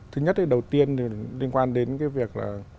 thứ nhất thì đầu tiên liên quan đến cái việc